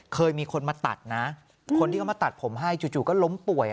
เคยมีคนมาตัดนะคนที่เขามาตัดผมให้จู่ก็ล้มป่วย